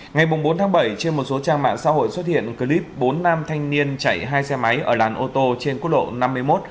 ngày bốn tháng bảy trên một số trang mạng xã hội xuất hiện clip bốn nam thanh niên chạy hai xe máy ở làn ô tô trên quốc lộ năm mươi một